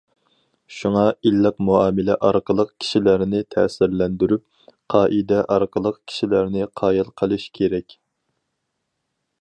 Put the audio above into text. شۇڭا ئىللىق مۇئامىلە ئارقىلىق كىشىلەرنى تەسىرلەندۈرۈپ، قائىدە ئارقىلىق كىشىلەرنى قايىل قىلىش كېرەك.